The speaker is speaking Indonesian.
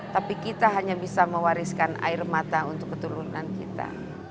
tapi kita hanya bisa mewariskan air mata untuk keturunan kita